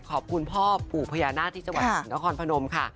ขอบคุณพ่อปู่พญานาคที่จังหวัดศรีนครพนมค่ะ